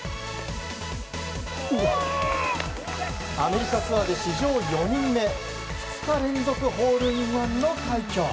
アメリカツアーで史上４人目２日連続ホールインワンの快挙。